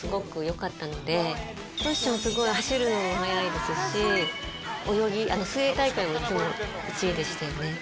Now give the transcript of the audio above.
すごい走るのも速いですし水泳大会もいつも１位でしたよね。